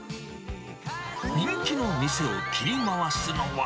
人気の店を切り回すのは。